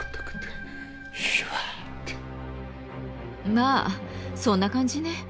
まあそんな感じね。